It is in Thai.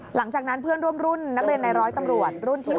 หลังจากนั้นเพื่อนร่วมรุ่นนักเรียนในร้อยตำรวจรุ่นที่๑